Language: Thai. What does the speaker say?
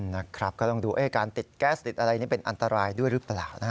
นะครับก็ต้องดูการติดแก๊สติดอะไรนี่เป็นอันตรายด้วยหรือเปล่านะฮะ